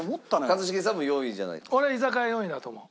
俺居酒屋４位だと思う。